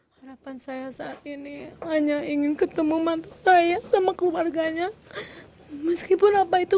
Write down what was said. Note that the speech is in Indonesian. hai harapan saya saat ini hanya ingin ketemu mantap saya sama keluarganya meskipun apa itu